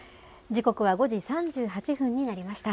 時刻は５時３８分になりました。